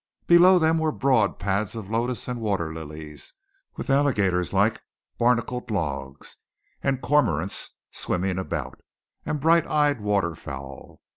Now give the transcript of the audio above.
Below them were broad pads of lotus and water lilies; with alligators like barnacled logs, and cormorants swimming about, and bright eyed waterfowl.